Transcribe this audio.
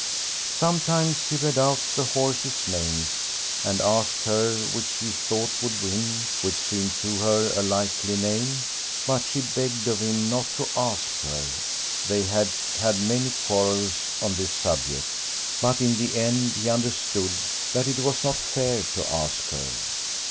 Sometimes he read out the horses' names and asked her which she thought would win, which seemed to her a likely name. But she begged of him not to ask her; they had many quarrels on this subject, but in the end he understood that it was not fair to ask her.